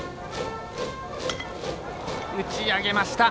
打ち上げました。